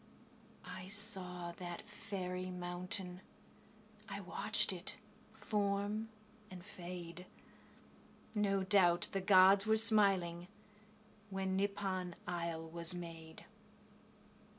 I saw that fairy mountain. ... I watched it form and fade. No doubt the gods were smiling, When Nippon isle was made.